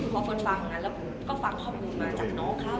พอเฟิร์นฟังนั้นแล้วก็ฟังข้อมูลมาจากน้องเขา